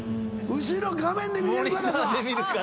後ろ画面で見れるからか！